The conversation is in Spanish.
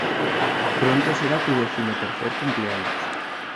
Pronto será tu decimotercer cumpleaños.